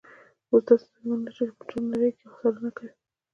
اوس داسې سازمانونه شته چې په ټوله نړۍ کې څارنه کوي.